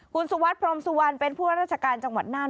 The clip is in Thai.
คุณสุวัสดิพรมสุวรรณเป็นผู้ว่าราชการจังหวัดน่าน